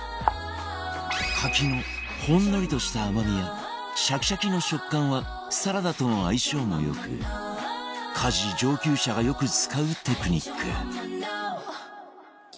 柿のほんのりとした甘みやシャキシャキの食感はサラダとの相性も良く家事上級者がよく使うテクニック